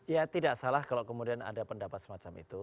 ya tidak salah kalau kemudian ada pendapat semacam itu